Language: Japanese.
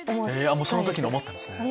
その時に思ったんですね。